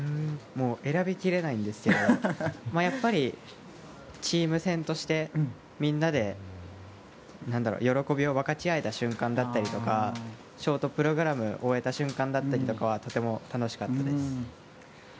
選びきれないんですけどやっぱりチーム戦としてみんなで喜びを分かち合えた瞬間だったりとかショートプログラムを終えた瞬間だったりとかはとても楽しかったです。